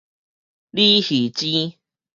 鯉魚精